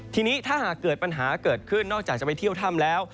ทีนี้ถ้าหากเกิดปัญหาเกิดขึ้นนอกจากจะไปเที่ยวถ้ำแล้ว